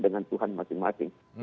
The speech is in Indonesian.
dengan tuhan masing masing